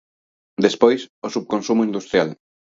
Despois, o subconsumo industrial.